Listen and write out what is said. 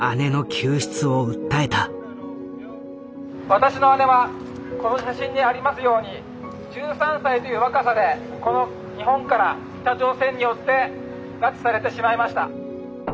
私の姉はこの写真にありますように１３歳という若さでこの日本から北朝鮮によって拉致されてしまいました。